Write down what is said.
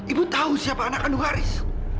ibu tahu siapa anak kandung garis